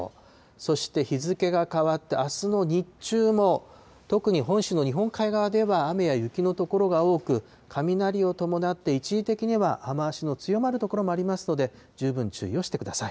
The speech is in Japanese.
そして日付が変わってあすの日中も、特に本州の日本海側では、雨や雪の所が多く、雷を伴って一時的には雨足の強まる所もありますので、十分注意をしてください。